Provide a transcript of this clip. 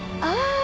ああ。